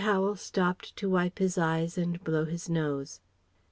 Howel stopped to wipe his eyes and blow his nose.